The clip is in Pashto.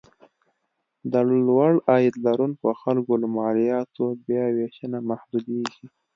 د لوړ عاید لرونکو خلکو له مالیاتو بیاوېشنه محدودېږي.